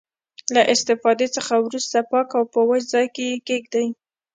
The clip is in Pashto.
له استفادې څخه وروسته پاک او په وچ ځای کې یې کیږدئ.